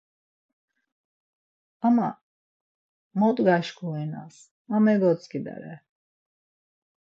Ama mot gaşǩurinas. Ma megotzedare.